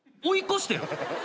追い越してる？